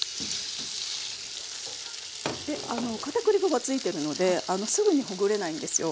かたくり粉が付いてるのですぐにほぐれないんですよ。